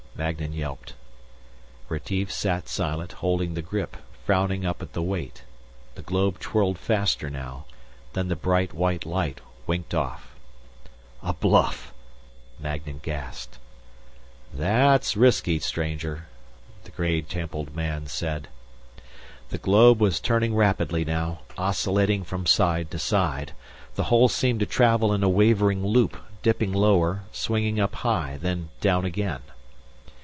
Magnan yelped. Retief sat silent, holding the grip, frowning up at the weight. The globe twirled faster now. Then the bright white light winked off. "A bluff!" Magnan gasped. "That's risky, stranger," the gray templed man said. The globe was turning rapidly now, oscillating from side to side. The hole seemed to travel in a wavering loop, dipping lower, swinging up high, then down again.